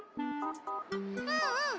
うんうん。